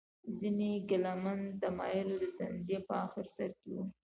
ځینې کلامي تمایلونه د تنزیه په اخر سر کې وو.